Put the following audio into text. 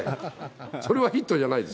それはヒットじゃないです。